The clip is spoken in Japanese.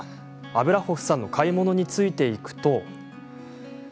アブラホフさんの買い物についていくと。